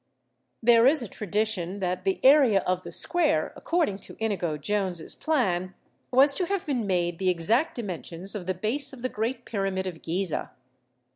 There is a tradition that the area of the square, according to Inigo Jones's plan, was to have been made the exact dimensions of the base of the great pyramid of Geezeh.